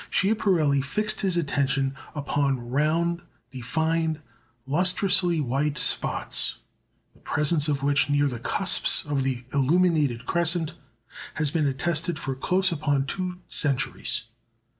Schiaparelli fixed his attention upon round, defined, lustrously white spots, the presence of which near the cusps of the illuminated crescent has been attested for close upon two centuries.